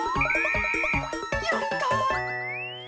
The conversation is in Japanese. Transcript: やった！